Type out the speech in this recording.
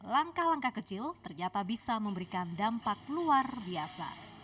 langkah langkah kecil ternyata bisa memberikan dampak luar biasa